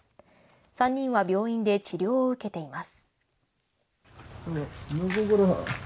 ３人は病院で治療を受けています。